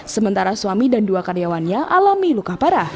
sementara suami dan dua karyawannya alami luka parah